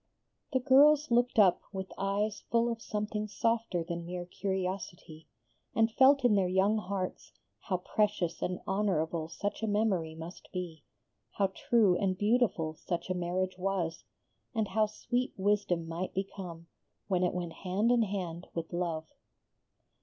The girls looked up with eyes full of something softer than mere curiosity, and felt in their young hearts how precious and honorable such a memory must be, how true and beautiful such a marriage was, and how sweet wisdom might become when it went hand in hand with love.